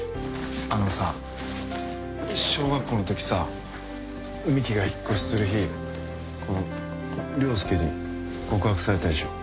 あのさ小学校のときさ美紀が引っ越しする日この良介に告白されたでしょ？